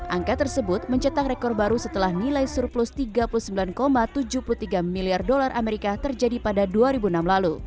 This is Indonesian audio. angka tersebut mencetak rekor baru setelah nilai surplus tiga puluh sembilan tujuh puluh tiga miliar dolar amerika terjadi pada dua ribu enam lalu